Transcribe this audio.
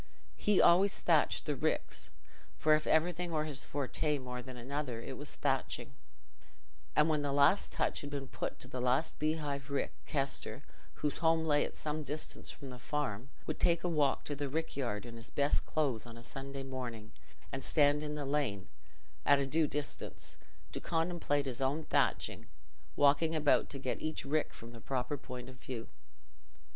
He always thatched the ricks—for if anything were his forte more than another, it was thatching—and when the last touch had been put to the last beehive rick, Kester, whose home lay at some distance from the farm, would take a walk to the rick yard in his best clothes on a Sunday morning and stand in the lane, at a due distance, to contemplate his own thatching, walking about to get each rick from the proper point of view.